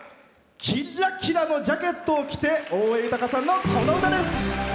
キラキラのジャケットを着て大江裕さんのこの歌です。